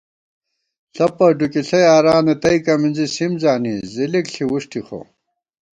ݪَپہ ڈُکِݪہ یارانہ تئیکہ مِنزی سِم زانی ، زِلِک ݪی وُݭٹی خو